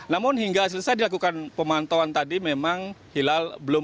namun hingga selesai dilakukan pemantauan tadi memang hilal